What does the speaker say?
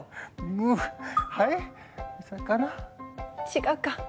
違うか。